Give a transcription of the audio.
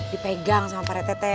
dipegang sama pak rete